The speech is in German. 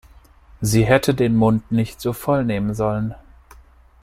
Sie hätte den Mund nicht so voll nehmen sollen.